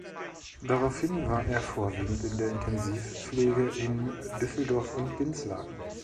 Daraufhin war er vorwiegend in der Intensivpflege in Düsseldorf und Dinslaken.